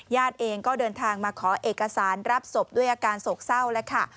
เองก็เดินทางมาขอเอกสารรับศพด้วยอาการโศกเศร้าแล้วค่ะ